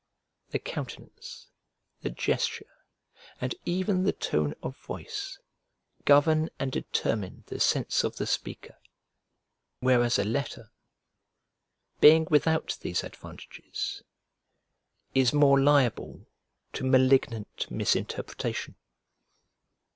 The countenance, the gesture, and even the tone of voice govern and determine the sense of the speaker, whereas a letter, being without these advantages, is more liable to malignant misinterpretation.